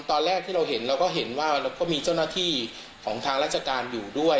ตอนแรกที่เราเห็นเราก็เห็นว่าเราก็มีเจ้าหน้าที่ของทางราชการอยู่ด้วย